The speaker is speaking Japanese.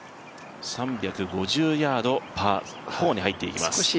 ３５０ヤード、パー４に入っていきます。